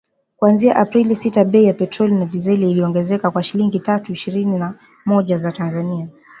kuanzia Aprili sita bei ya petroli na dizeli iliongezeka kwa shilingi mia tatu ishirini na moja za Tanzania